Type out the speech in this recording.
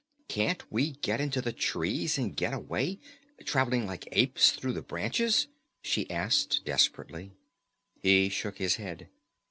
"Can't we get into the trees and get away, traveling like apes through the branches?" she asked desperately. He shook his head.